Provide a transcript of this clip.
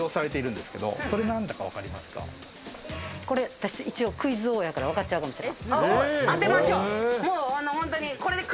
私、一応クイズ王だから、わかっちゃうかもしれない。